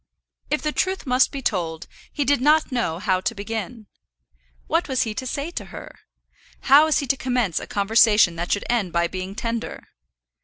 If the truth must be told, he did not know how to begin. What was he to say to her? How was he to commence a conversation that should end by being tender?